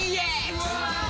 うわ！